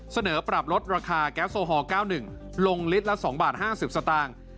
เสนอปรับลดราคาแก๊สโอฮอล๙๑ลงลิตรละ๒บาท๕๐สตางค์